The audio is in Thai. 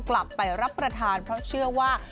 กลับไปรับประทานเพราะเชื่อว่า